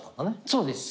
そうです。